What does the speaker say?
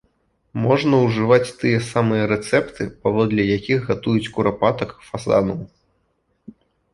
Можна ўжываць тыя самыя рэцэпты, паводле якіх гатуюць курапатак, фазанаў.